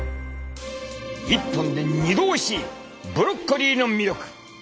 １本で２度おいしいブロッコリーの魅力。